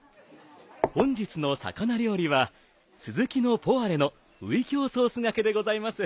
本日の魚料理はスズキのポワレのウイキョウソース掛けでございます。